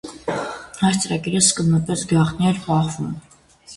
Այս ծրագիրը սկզբնապես գաղտնի էր պահվում։